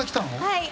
はい。